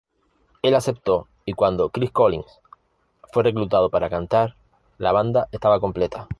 Él aceptó, y cuando Chris Collins fue reclutado para cantar, la banda estaba completa.